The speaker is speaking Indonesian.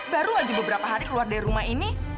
baru aja beberapa hari keluar dari rumah ini